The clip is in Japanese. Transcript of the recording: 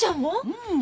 うん。